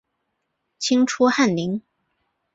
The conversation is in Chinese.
清初翰林。